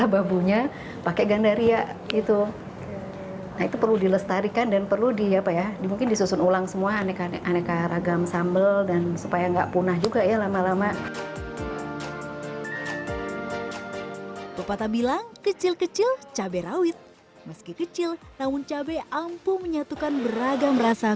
bapak tak bilang kecil kecil cabai rawit meski kecil namun cabai ampuh menyatukan beragam rasa